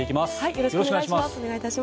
よろしくお願いします。